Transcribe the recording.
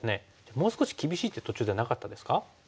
もう少し厳しい手途中でなかったですか？